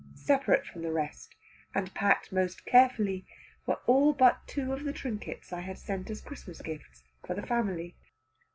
Separate from the rest, and packed most carefully, were all but two of the trinkets I had sent as Christmas gifts for the family.